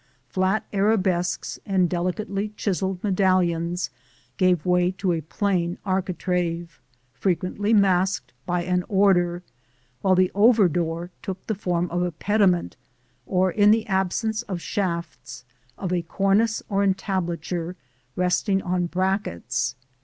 Flat arabesques and delicately chiselled medallions gave way to a plain architrave, frequently masked by an order; while the over door took the form of a pediment, or, in the absence of shafts, of a cornice or entablature resting on brackets.